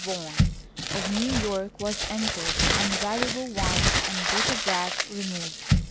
Vaughan of New York was entered and valuable wines and bric a brac removed.